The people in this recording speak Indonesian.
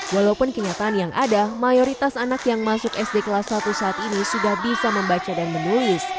walaupun kenyataan yang ada mayoritas anak yang masuk sd kelas satu saat ini sudah bisa membaca dan menulis